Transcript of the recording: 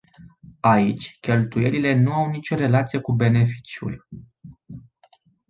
Aici, cheltuielile nu au nicio relație cu beneficiul.